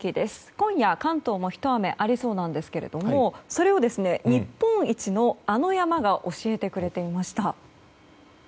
今夜、関東もひと雨ありそうなんですけれどもそれを日本一のあの山が教えてくれていました。